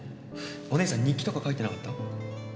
お姉さん日記とか書いてなかった？